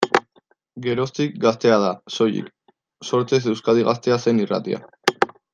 Geroztik, Gaztea da, soilik, sortzez Euskadi Gaztea zen irratia.